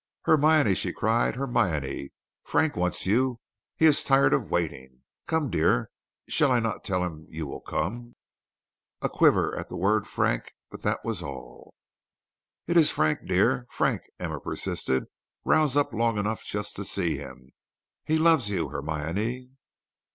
"Hermione," she cried, "Hermione! Frank wants you; he is tired of waiting. Come, dear; shall I not tell him you will come?" A quiver at the word Frank, but that was all. "It is Frank, dear; Frank!" Emma persisted. "Rouse up long enough just to see him. He loves you, Hermione."